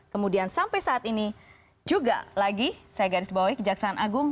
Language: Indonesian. kemudian sampai saat ini juga lagi saya garis bawahi kejaksaan agung